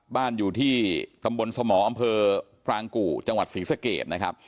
บ้านอยู่ที่ตำบลสมอำเภอพรางกู่จังหวัดศรีสเกตนะครับ